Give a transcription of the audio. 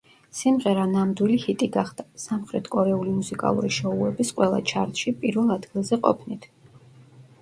სიმღერა ნამდვილი ჰიტი გახდა, სამხრეთ კორეული მუსიკალური შოუების ყველა ჩარტში პირველ ადგილზე ყოფნით.